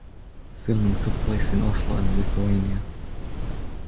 Filming took place in Oslo and Lithuania.